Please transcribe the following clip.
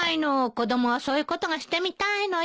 子供はそういうことがしてみたいのよ。